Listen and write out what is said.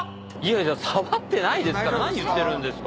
触ってないですから何言ってるんですか。